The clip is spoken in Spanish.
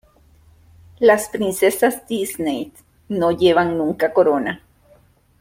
Las princesas Disney no llevan nunca corona.